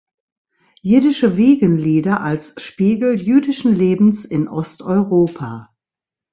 Jiddische Wiegenlieder als Spiegel jüdischen Lebens in Osteuropa.